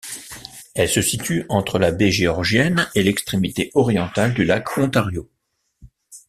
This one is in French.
Elle se situe entre la baie Georgienne et l'extrémité orientale du Lac Ontario.